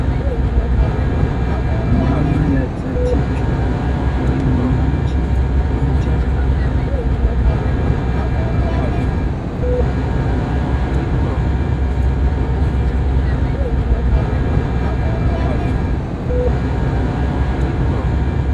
Mana yachanchichu wañunanchi punchata.